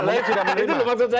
mungkin sudah menerima